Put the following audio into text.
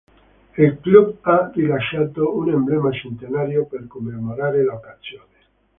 Il club ha rilasciato un emblema centenario per commemorare l'occasione.